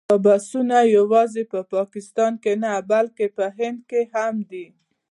دا بحثونه یوازې په پاکستان کې نه بلکې په هند کې هم دي.